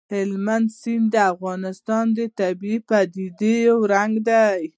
هلمند سیند د افغانستان د طبیعي پدیدو یو رنګ دی.